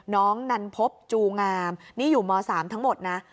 นันพบจูงามนี่อยู่ม๓ทั้งหมดนะ